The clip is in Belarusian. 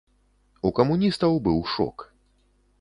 У камуністаў быў шок.